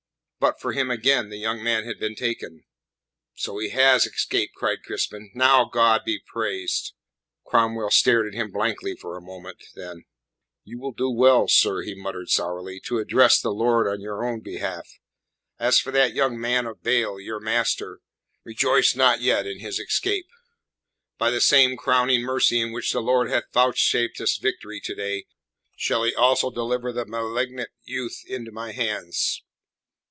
But for him again the young man had been taken." "So he has escaped!" cried Crispin. "Now, God be praised!" Cromwell stared at him blankly for a moment, then: "You will do well, sir," he muttered sourly, "to address the Lord on your own behalf. As for that young man of Baal, your master, rejoice not yet in his escape. By the same crowning mercy in which the Lord hath vouchsafed us victory to day shall He also deliver the malignant youth into my hands.